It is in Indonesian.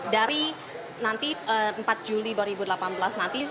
dari nanti empat juli dua ribu delapan belas nanti